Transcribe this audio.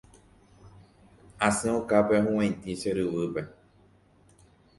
Asẽ okápe ahuvaitĩ che ryvýpe.